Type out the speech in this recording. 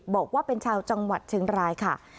บอกว่าเป็นชาวจังหวัดเชียงรายค่ะ